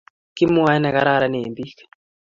Kimwae negararan eng biik